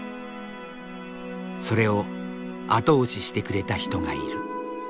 それを後押ししてくれた人がいる。